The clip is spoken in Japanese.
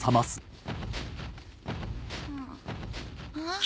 ああ？